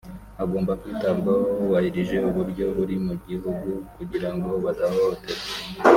bagomba kwitabwaho hubahirijwe uburyo buri mu gihugu kugira ngo badahohoterwa